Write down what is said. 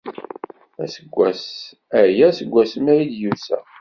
Aseggas aya seg wasmi ay d-yusa.